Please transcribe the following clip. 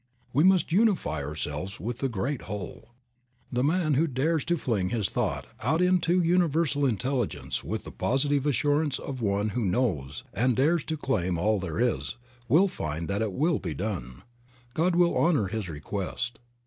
We must unify ourselves with the great whole. The man 64 Creative Mind. who dares to fling his thought out into universal intelligence with the positive assurance of one who knows and dares to claim all there is will find that it will be done. God will honor his request.